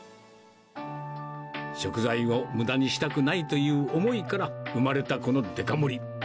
食材をむだにしたくないという思いから生まれたこのデカ盛り。